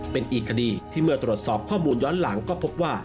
เป็นอีกคดีที่เมื่อตรวจสอบข้อมูลย้อนหลังก็พบว่า